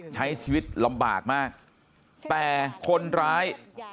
ใช้ชีวิตลำบากมากแต่คนร้าย